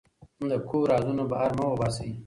د کور رازونه بهر مه وباسئ.